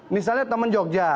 misalnya teman jogja